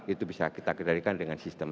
itu bisa kita kendalikan dengan sistem